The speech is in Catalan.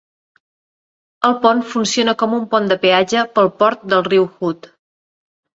El pont funciona com un pont de peatge pel port del riu Hood.